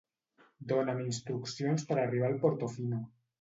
Dona'm instruccions per arribar al Portofino.